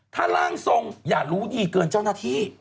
ถ้าร่างทรงอย่ารู้ดีเกินเจ้าหน้าที่